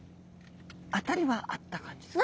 当たりはあった感じですかね？